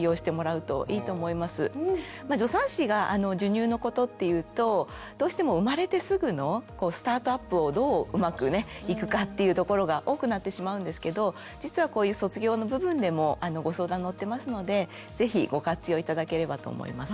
助産師が授乳のことっていうとどうしても生まれてすぐのスタートアップをどううまくねいくかっていうところが多くなってしまうんですけど実はこういう卒業の部分でもご相談乗ってますので是非ご活用頂ければと思います。